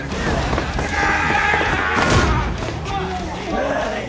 おい！